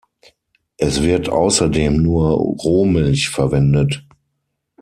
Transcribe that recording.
Es wird außerdem nur Rohmilch verwendet.